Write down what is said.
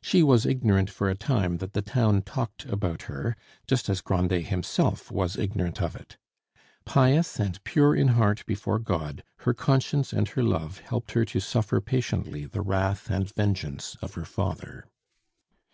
She was ignorant for a time that the town talked about her, just as Grandet himself was ignorant of it. Pious and pure in heart before God, her conscience and her love helped her to suffer patiently the wrath and vengeance of her father.